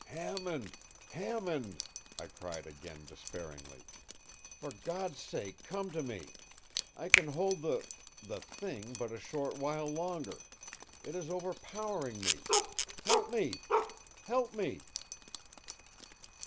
“Hammond! Hammond!” I cried again, despairingly, “for God’s sake come to me. I can hold the—the thing but a short while longer. It is overpowering me. Help me! Help me!